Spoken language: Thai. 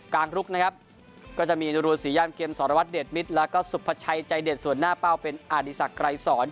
กลางลุกนะครับก็จะมีนุรสีย่านเกมสรวรรค์เด็ดมิตรแล้วก็สุพชัยใจเด็ดส่วนหน้าเป้าเป็นอดิสักไกรศร